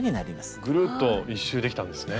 ぐるっと１周できたんですね。